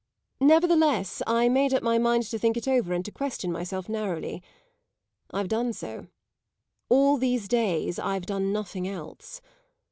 Nevertheless I made up my mind to think it over and to question myself narrowly. I've done so; all these days I've done nothing else.